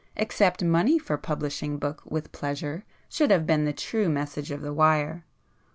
'Accept money for publishing [p 70] book with pleasure' should have been the true message of the wire.